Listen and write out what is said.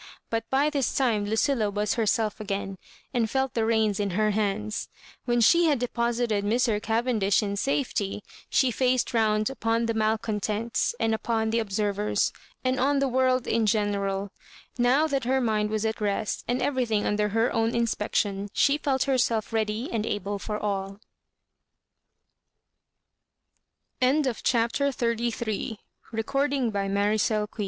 But by this time Lucilla was herself again, and felt the reins in her hands. When she had deposited Mr. Cavendish in safety, she faced round upon the malcontents and upon the observers, and on the world in general Now that her mind was at rest, and everything under her own inspection, she felt herself ready l^nd able for all CH